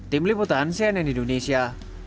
tim liputan cnn indonesia